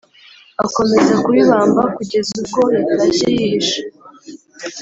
akomeza kuba ibamba kugeza ubwo yatashye yihishe